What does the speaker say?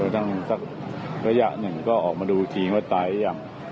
ตั้งสักระยะหนึ่งก็ออกมาดูอีกทีว่าตายหรือยัง